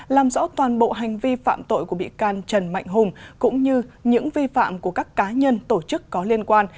làm rõ toàn bộ hành vi phạm tội của bị can trần mạnh hùng cũng như những vi phạm của các cá nhân tổ chức có liên quan